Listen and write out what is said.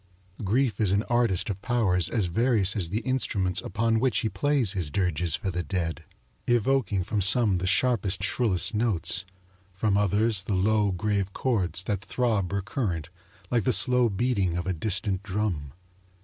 Grief is an artist of powers as various as the instruments upon which he plays his dirges for the dead, evoking from some the sharpest, shrillest notes, from others the low, grave chords that throb recurrent like the slow beating of a distant drum.